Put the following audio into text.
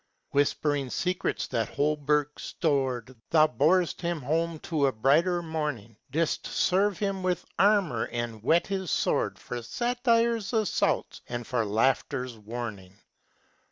Whispering secrets that Holberg stored, Thou borest him home to a brighter morning, Didst serve him with armor and whet his sword For satire's assaults and for laughter's warning.